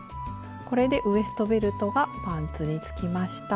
これでウエストベルトがパンツにつきました。